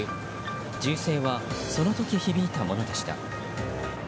銃声は、その時響いたものでした。